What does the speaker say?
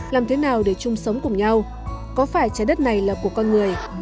làm thế nào để chung sống cùng nhau có phải trái đất này là của con người